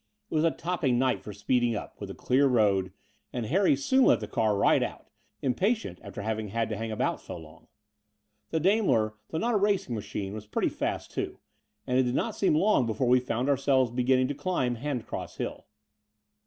It was a topping night for speeding up, with a clear road; and Harry soon let the car right out impatient after having had to hang about so long. The Daimler, though not a racing machine, was pretty fast too ; and it did not seem long before we f oimd ourselves beginning to climb Handcross Hill.